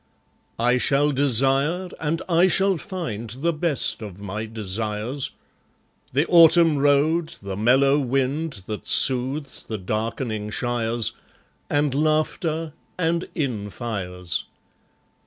I shall desire and I shall find The best of my desires; The autumn road, the mellow wind That soothes the darkening shires. And laughter, and inn fires.